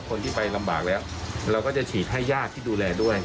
คนที่ไปลำบากแล้วเราก็จะฉีดให้ญาติที่ดูแลด้วย